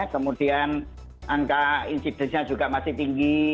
kemudian angka incidence nya juga masih tinggi